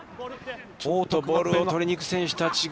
ボールを取りに行く選手たちが。